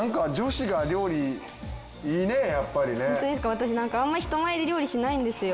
私なんかあんまり人前で料理しないんですよ